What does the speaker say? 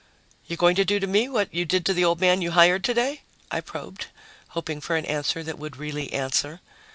"You're going to do to me what you did to the old man you hired today?" I probed, hoping for an answer that would really answer.